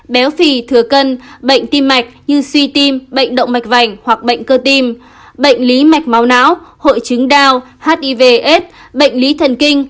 béo phì thừa cân bệnh tim mạch như suy tim bệnh động mạch vành hoặc bệnh cơ tim bệnh lý mạch máu não hội chứng đau hivs bệnh lý thần kinh